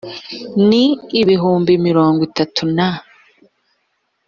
ni ibihumbi mirongo itanu na